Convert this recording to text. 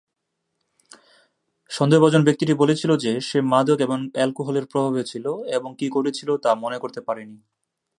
সন্দেহভাজন ব্যক্তি টি বলেছিল যে সে "মাদক এবং অ্যালকোহলের প্রভাবে" ছিল এবং কী ঘটেছিল তা মনে করতে পারেনি।